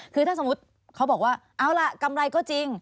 คือถ้าสมมุติเขาบอกว่าเอาล่ะกำไรก็จริง